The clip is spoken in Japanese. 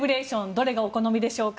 どれがお好みでしょうか？